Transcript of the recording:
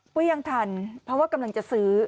ก็ยังทันเพราะว่ากำลังจะซื้อ